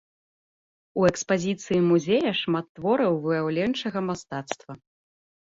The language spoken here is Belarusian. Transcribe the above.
У экспазіцыі музея шмат твораў выяўленчага мастацтва.